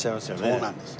そうなんですよ。